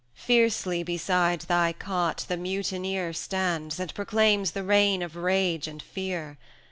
Fiercely beside thy cot the mutineer Stands, and proclaims the reign of rage and fear.